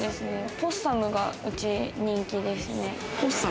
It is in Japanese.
ボッサムがうち、人気ですね。